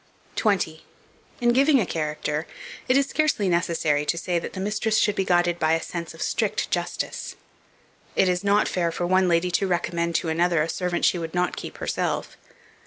20. IN GIVING A CHARACTER, it is scarcely necessary to say that the mistress should be guided by a sense of strict justice. It is not fair for one lady to recommend to another, a servant she would not keep herself.